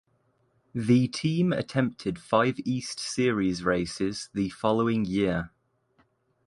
The team attempted five East Series races the following year.